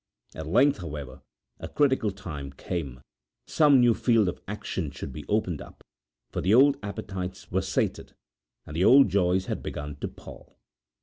At length, however, a critical time came, some new field of action should be opened up, for the old appetites were sated, and the old joys had begun to pall.